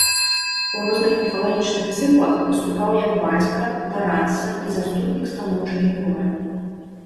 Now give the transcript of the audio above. У розных міфалагічных цыклах выступаў як бацька, дарадца і заступнік станоўчых герояў.